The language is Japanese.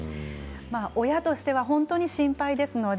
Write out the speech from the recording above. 親としては本当に心配ですので